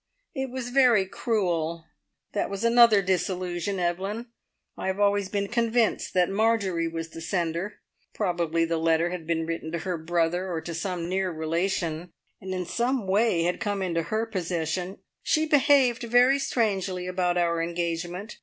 It was very cruel. That was another disillusion, Evelyn. I have always been convinced that Marjorie was the sender. Probably the letter had been written to her brother, or to some near relation, and in some way had come into her possession. She behaved very strangely about our engagement.